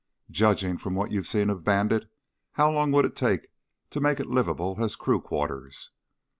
"Judging from what you've seen of Bandit, how long would it take to make it livable as crew quarters?"